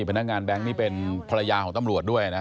พนักงานแบงค์นี่เป็นภรรยาของตำรวจด้วยนะ